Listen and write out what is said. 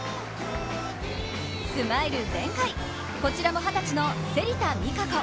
スマイル全開、こちらも二十歳の芹田未果子。